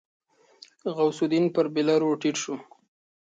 غوث الدين پر بېلر ور ټيټ شو.